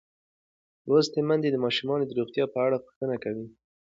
لوستې میندې د ماشومانو د روغتیا په اړه پوښتنې کوي.